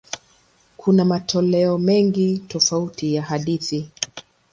Kuna matoleo mengi tofauti ya hadithi.